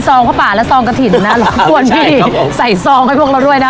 ซองพระป่าและซองกะถิ่นนะเบ้วช่ีใช่ครับผมใส่ซองให้พวกเราด้วยนะ